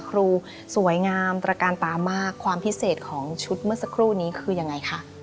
ครูสวยงามตระการตามากความพิเศษของชุดเมื่อสักครู่นี้คือยังไงคะ